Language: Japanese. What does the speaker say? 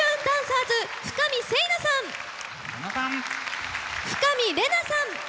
ダンサーズ深見星奈さん。